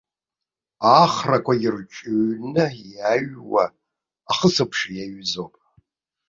Ахрақәа ирҿыҩҩны иааҩуа ахысыбжь иаҩызоуп.